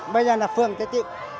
bây giờ là phường tây tịu